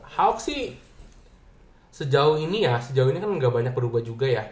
hoax sih sejauh ini ya sejauh ini kan nggak banyak berubah juga ya